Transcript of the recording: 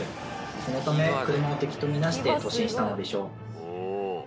そのため車を敵とみなして突進したのでしょう。